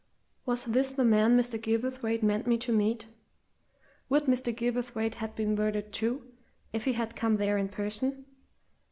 Was this the man Mr. Gilverthwaite meant me to meet? Would Mr. Gilverthwaite have been murdered, too, if he had come there in person?